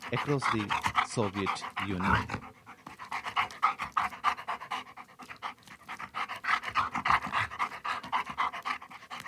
The British press, briefly, called them the Beatles' "most serious threat".